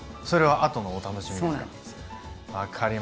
それはあとのお楽しみですか？